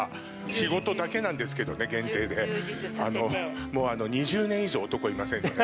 仕事だけなんですけどね、限定で、もうあの、２０年以上男いませんので。